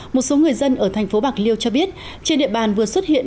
một số người dân ở thành phố bạc liêu cho biết trên địa bàn vừa xuất hiện